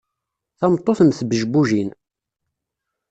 Tameṭṭut mm tbejbujin.